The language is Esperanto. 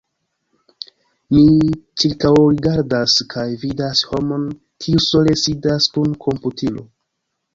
Mi ĉirkaŭrigardas, kaj vidas homon, kiu sole sidas kun komputilo.